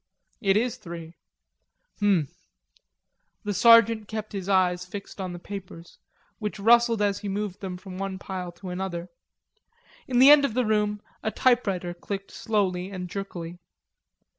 "It is three." "H'm!" The sergeant kept his eyes fixed on the papers, which rustled as he moved them from one pile to another. In the end of the room a typewriter clicked slowly and jerkily.